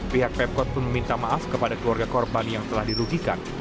pihak pemkot pun meminta maaf kepada keluarga korban yang telah dirugikan